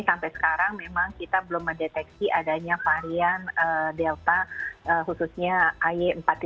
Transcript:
sampai sekarang memang kita belum mendeteksi adanya varian delta khususnya ay empat